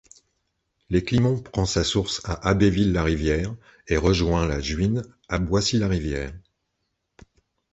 L'Éclimont prend sa source à Abbéville-la-Rivière et rejoint la Juine à Boissy-la-Rivière.